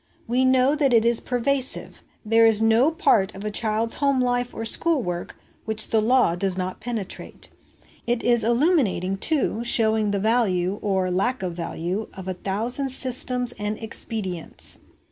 We know that it is pervasive ; there is no part of a child's home life or school work which the law does not penetrate. It is illuminating, too, showing the value, or lack of value, of a thousand systems and expedients.